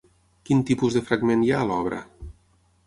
Quin tipus de fragment hi ha a l'obra?